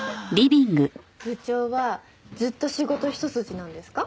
部長はずっと仕事一筋なんですか？